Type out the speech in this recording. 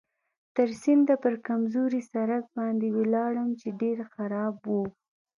تر سینده پر کمزوري سړک باندې ولاړم چې ډېر خراب و.